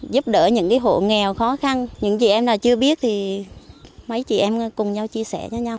giúp đỡ những hộ nghèo khó khăn những chị em nào chưa biết thì mấy chị em cùng nhau chia sẻ cho nhau